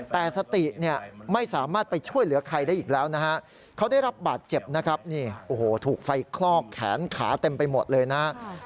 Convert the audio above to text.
แต่สติไม่สามารถไปช่วยเหลือใครได้อีกแล้วนะฮะ